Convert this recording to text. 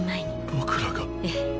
僕らが？ええ。